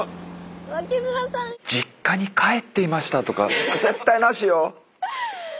実家に帰っていましたとか絶対なしよ。